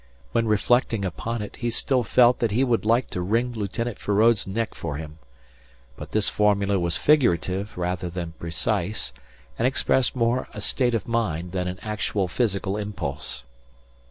When reflecting upon it he still felt that he would like to wring Lieutenant Feraud's neck for him. But this formula was figurative rather than precise, and expressed more a state of mind than an actual physical impulse.